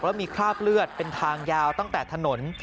แล้วมีคราบเลือดเป็นทางยาวตั้งแต่ถนน